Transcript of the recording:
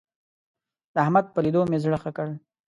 د احمد په ليدو مې زړه ښه کړ.